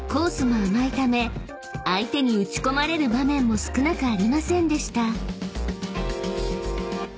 ［相手に打ち込まれる場面も少なくありませんでした］